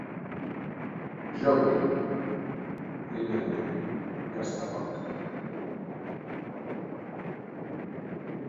Jo vull... primerament, gastar poc